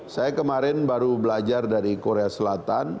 saya kemarin baru belajar dari korea selatan